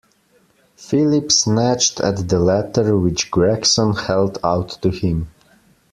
Philip snatched at the letter which Gregson held out to him.